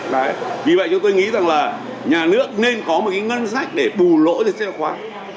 đấy vì vậy chúng tôi nghĩ rằng là nhà nước nên có một cái ngân sách để bù lỗ cho sách giáo khoa